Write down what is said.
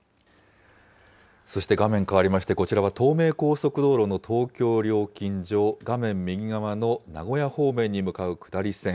そして画面変わりまして、こちらは東名高速道路の東京料金所、画面右側の名古屋方面に向かう下り線。